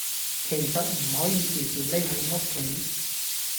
其實唔可以時時匿喺屋企